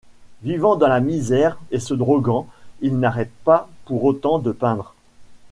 Vivant dans la misère et se droguant, il n'arrête pas pour autant de peindre.